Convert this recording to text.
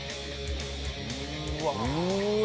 うわ！